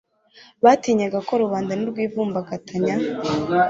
Batinyaga ko rubanda nirwivumbagatanya,